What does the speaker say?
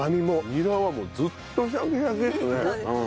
ニラはずっとシャキシャキですね。